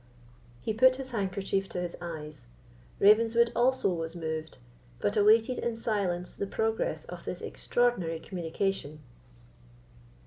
He put his handkerchief to his eyes. Ravenswood also was moved, but awaited in silence the progress of this extraordinary communication.